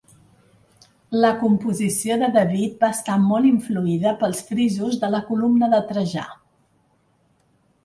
La composició de David va estar molt influïda pels frisos de la columna de Trajà.